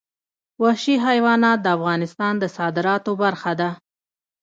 وحشي حیوانات د افغانستان د صادراتو برخه ده.